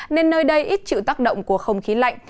nên nơi đây ít chịu tác động của không khí lạnh